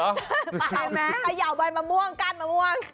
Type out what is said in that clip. ป่าวไปเยาว์ใบมะม่วงกันมะม่วง